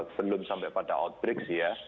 belum sampai pada outbreak sih ya